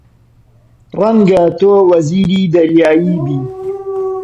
ڕەنگە تۆ وەزیری دەریایی بی!